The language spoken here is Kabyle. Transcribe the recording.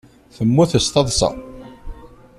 Temmut s taḍsa.